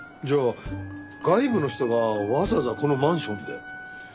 じゃあ外部の人がわざわざこのマンションで？